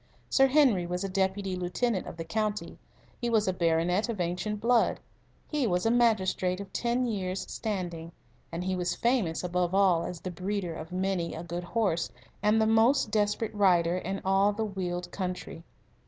Sir Henry was a Deputy Lieutenant of the county; he was a baronet of ancient blood; he was a magistrate of ten years' standing; and he was famous above all as the breeder of many a good horse and the most desperate rider in all the Weald country.